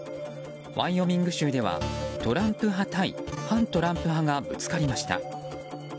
ワイオミング州ではトランプ派対反トランプ派がぶつかりました。